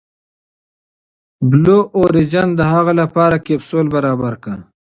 بلو اوریجن د هغې لپاره کپسول برابر کړ.